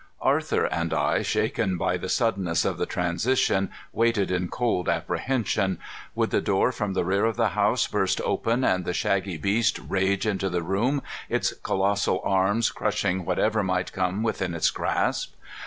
Arthur and I, shaken by the suddenness of the transition, waited in cold apprehension. Would the door from the rear of the house burst open and the shaggy beast rage into the room, its colossal arms crushing whatever might come within its grasp?